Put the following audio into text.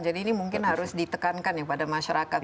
jadi ini mungkin harus ditekankan kepada masyarakat